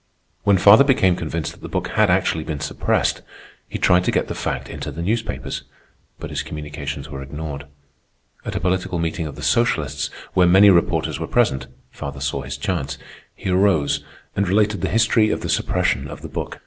When father became convinced that the book had actually been suppressed, he tried to get the fact into the newspapers; but his communications were ignored. At a political meeting of the socialists, where many reporters were present, father saw his chance. He arose and related the history of the suppression of the book.